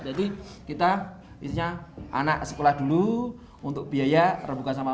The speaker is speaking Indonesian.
jadi kita intinya anak sekolah dulu untuk biaya rebukan sama orang